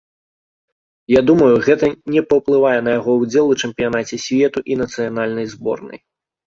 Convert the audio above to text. Я думаю, гэта не паўплывае на яго ўдзел у чэмпіянаце свету і нацыянальнай зборнай.